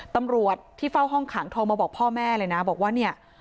ตำรวจที่เฝ้าห้องขังโทรมาบอกพ่อแม่เลยนะบอกว่าเนี่ย